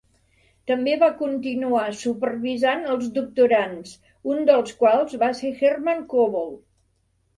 També va continuar supervisant els doctorands, un dels quals va ser Hermann Kobold.